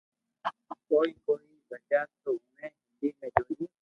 ڪوئي ڪوئي بچيا تو اوڻي ھنڌي ۾ جويو